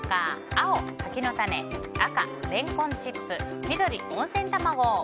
青、柿の種赤、レンコンチップ緑、温泉卵。